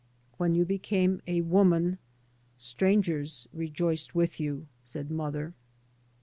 " When you became a woman — strangers rejoiced with you," said mother.